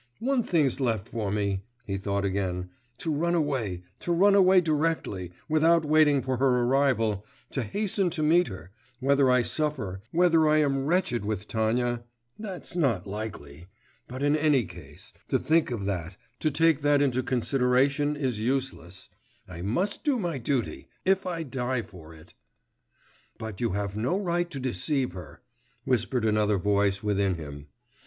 'One thing's left for me,' he thought again, 'to run away, to run away directly, without waiting for her arrival, to hasten to meet her; whether I suffer, whether I am wretched with Tanya that's not likely but in any case to think of that, to take that into consideration is useless; I must do my duty, if I die for it! But you have no right to deceive her,' whispered another voice within him.